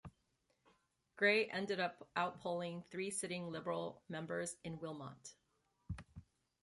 Gray ended up out-polling three sitting Liberal members in Wilmot.